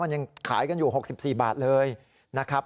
มันยังขายกันอยู่๖๔บาทเลยนะครับ